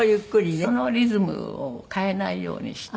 そのリズムを変えないようにして。